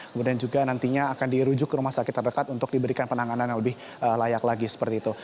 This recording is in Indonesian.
kemudian juga nantinya akan dirujuk ke rumah sakit terdekat untuk diberikan penanganan yang lebih layak lagi seperti itu